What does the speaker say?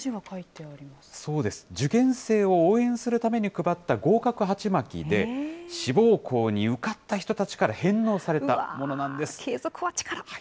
そうです、受験生を応援するために配った合格はちまきで、志望校に受かった人たちから返納さ継続は力なり。